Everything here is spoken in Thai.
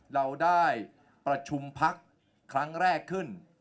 เราได้ประชุมพักครั้งแรกขึ้น